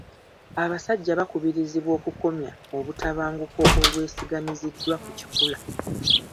Abasajja bakubirizibwa okukomya obutabanguko obwesigamiziddwa ku kikula.